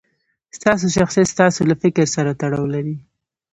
ستاسو شخصیت ستاسو له فکر سره تړاو لري.